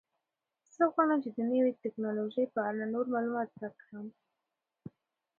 زه غواړم چې د نوې تکنالوژۍ په اړه نور معلومات زده کړم.